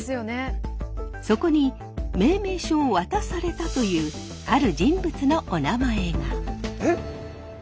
そこに命名書を渡されたというある人物のおなまえが。